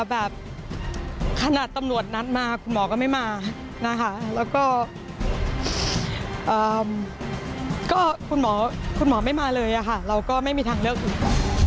แบบขนาดตำรวจนัดมาคุณหมอก็ไม่มานะคะแล้วก็คุณหมอคุณหมอไม่มาเลยค่ะเราก็ไม่มีทางเลือกอื่น